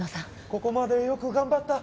ここまでよく頑張った！